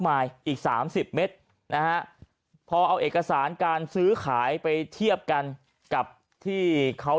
มายอีกสามสิบเมตรนะฮะพอเอาเอกสารการซื้อขายไปเทียบกันกับที่เขา